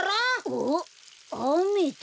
おおあめだ。